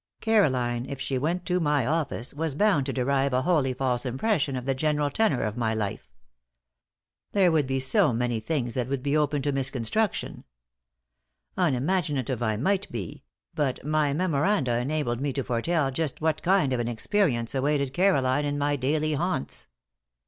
Caroline, if she went to my office, was bound to derive a wholly false impression of the general tenor of my life. There would be so many things that would be open to misconstruction! Unimaginative I might be, but my memoranda enabled me to foretell just what kind of an experience awaited Caroline in my daily haunts.